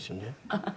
ハハハハ！